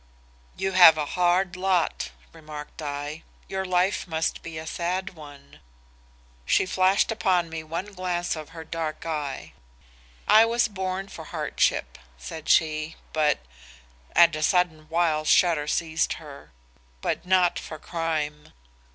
"'You have a hard lot,' remarked I. 'Your life must be a sad one.' "She flashed upon me one glance of her dark eye. 'I was born for hardship,' said she, 'but ' and a sudden wild shudder seized her, 'but not for crime.